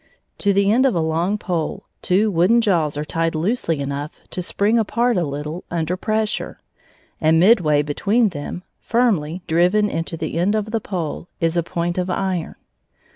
To the end of a long pole two wooden jaws are tied loosely enough to spring apart a little under pressure, and midway between them, firmly driven into the end of the pole, is a point of iron.